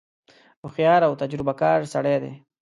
هوښیار او تجربه کار سړی دی.